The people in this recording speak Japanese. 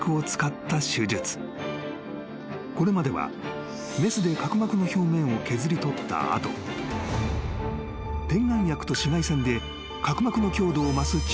［これまではメスで角膜の表面を削り取った後点眼薬と紫外線で角膜の強度を増す治療法が一般的だった］